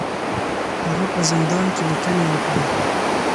هغه په زندان کې لیکنې وکړې.